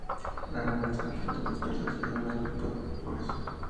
Raramente se presentan dispersos y no en grupos gruesos.